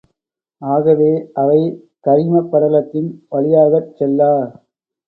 ஆகவே அவை கரிமப் படலத்தின் வழியாகச் செல்லா.